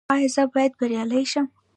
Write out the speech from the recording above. ایا زه باید بریالی شم؟